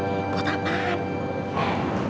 enggak ada nelfon kali